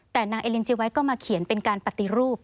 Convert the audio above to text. แต่นางเอลินจิไว้ก็มาเขียนเป็นการปฏิรูป